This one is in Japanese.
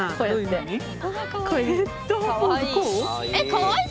かわいい。